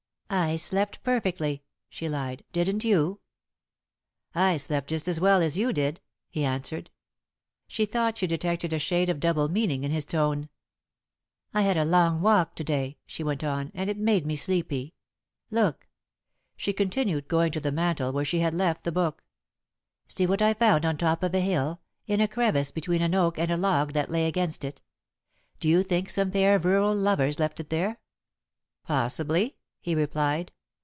"I slept perfectly," she lied. "Didn't you?" "I slept just as well as you did," he answered. She thought she detected a shade of double meaning in his tone. "I had a long walk to day," she went on, "and it made me sleepy. Look," she continued, going to the mantel where she had left the book. "See what I found on top of a hill, in a crevice between an oak and a log that lay against it. Do you think some pair of rural lovers left it there?" "Possibly," he replied.